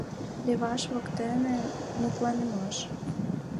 ЛЕВАШ ВОКТЕНЕ МУТЛАНЫМАШ